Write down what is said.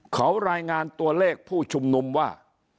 เขารายงานตัวเลขผู้ชุมนุมว่า